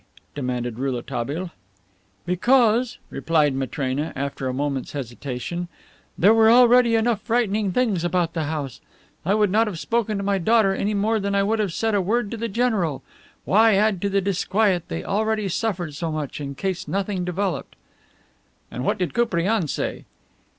demanded Rouletabille. "Because," replied Matrena, after a moment's hesitation, "there were already enough frightening things about the house. I would not have spoken to my daughter any more than I would have said a word to the general. Why add to the disquiet they already suffered so much, in case nothing developed?" "And what did Koupriane say?"